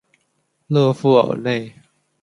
勒富尔内。